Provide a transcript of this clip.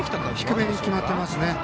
低めに決まっていますね。